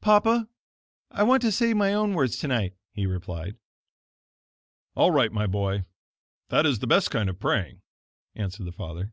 "Papa, I want to say my own words, tonight," he replied. "All right, my boy, that is the best kind of praying," answered the father.